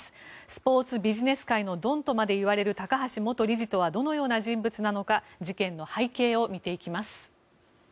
スポーツビジネス界のドンとまで呼ばれる高橋元理事とはどのような人物なのか事件の背景を見ていきます。